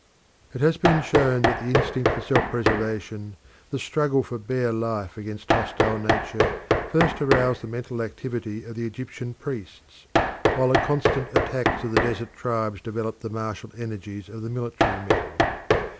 It has been shown that the instinct for self preservation, the struggle for bare life against hostile nature, first aroused the mental activity of the Egyptian priests, while the constant attacks of the desert tribes developed the martial energies of the military men.